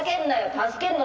助けるの？